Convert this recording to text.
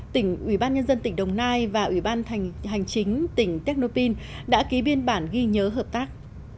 tỉnh ubnd tỉnh đồng nai và ubnd hành chính tỉnh tectopin đã ký biên bản ghi nhớ hợp tác